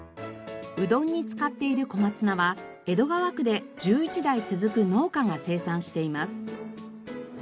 うどんに使っている小松菜は江戸川区で１１代続く農家が生産しています。